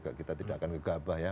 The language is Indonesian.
kita tidak akan kegabah ya